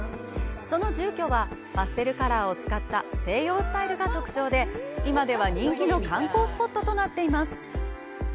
その住居はパステルカラーを使った西洋スタイルが特徴で、今では人気の観光スポットとなっています。